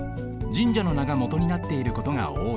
神社のながもとになっていることがおおい。